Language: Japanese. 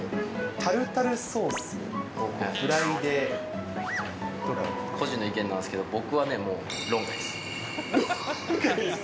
タルタルソースでフライでと個人の意見なんですけど、僕はもう、論外です。